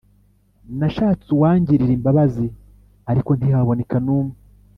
nashatse uwangirira imbabazi ariko ntihaboneka n’umwe